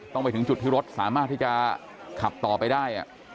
ไปถึงจุดที่รถสามารถที่จะขับต่อไปได้